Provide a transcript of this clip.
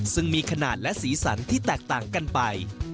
ซึ่งมีขนาดและสีสันที่แตกต่างกันไป